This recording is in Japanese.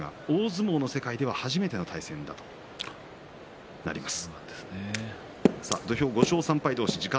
大相撲の世界では初めての対戦となります。